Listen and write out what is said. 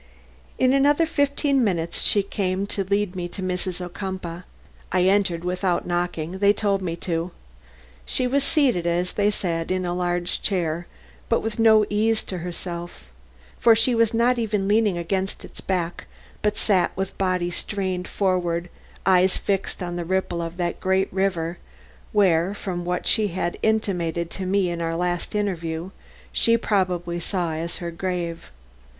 In another fifteen minutes she came to lead me to Mrs. Ocumpaugh. I entered without knocking; they told me to. She was seated, as they said, in a large chair, but with no ease to herself; for she was not even leaning against its back, but sat with body strained forward and eyes fixed on the ripple of the great river where, from what she had intimated to me in our last interview, she probably saw her grave.